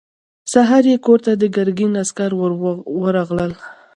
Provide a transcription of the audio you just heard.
سهار يې کور ته د ګرګين عسکر ورغلل.